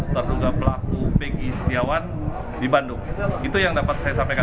terduga pelaku pegi setiawan di bandung itu yang dapat saya sampaikan